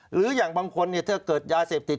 หรืออย่างบางคนถ้าเกิดยาเสพติด